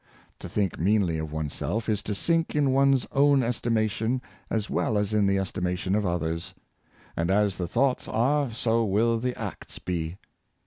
To think meanly of one's self, is to sink in one's own estimation as well as in the estimation of others. And as the thoughts are, so will the acts be.